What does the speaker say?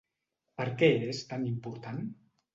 Per què és tan important?